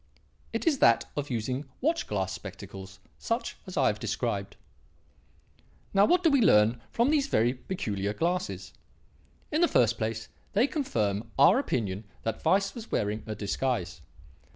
It is that of using watch glass spectacles such as I have described. "Now, what do we learn from these very peculiar glasses? In the first place they confirm our opinion that Weiss was wearing a disguise.